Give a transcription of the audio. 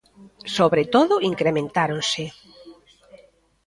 Sobre todo incrementáronse.